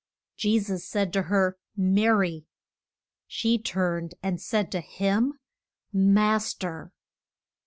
Je sus said to her, Ma ry! She turned and said to him, Mas ter!